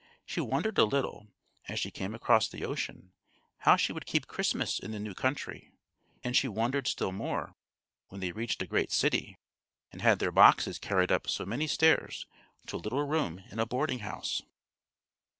She wondered a little, as she came across the ocean, how she would keep Christmas in the new country; and she wondered still more, when they reached a great city, and had their "boxes" carried up so many stairs to a little room in a boarding house.